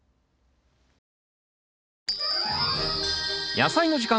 「やさいの時間」